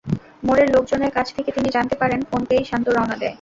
মোড়ের লোকজনের কাছ থেকে তিনি জানতে পারেন, ফোন পেয়েই শান্ত রওনা দেয়।